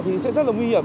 thì sẽ rất là nguy hiểm